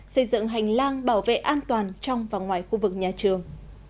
xây dựng hành lang bảo vệ an toàn trong và ngoài khu vực nhà trường